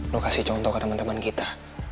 lo kasih contoh ke temen temen kita